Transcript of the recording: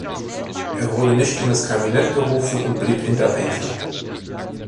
Er wurde nicht in das Kabinett berufen und blieb Hinterbänkler.